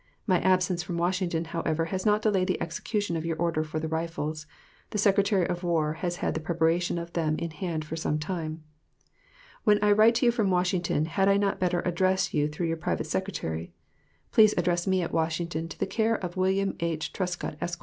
My absence from Washington, however, has not delayed the execution of your order for the rifles; the Secretary of War has had the preparation of them in hand for some time. When I write to you from Washington, had I not better address you through your private secretary ... Please address me at Washington to the care of Wm. H. Trescott, Esq. ...